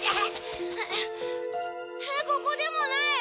ここでもない！